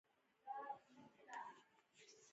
هغه غواړي کار او ټولنیز فعالیت ولري.